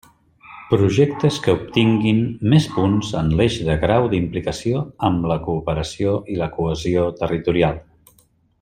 Projectes que obtinguin més punts en l'eix de grau d'implicació amb la cooperació i la cohesió territorial.